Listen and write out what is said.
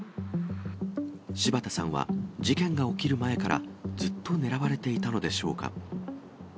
柴田さんは事件が起きる前から、ずっと狙われていたのでしょうか。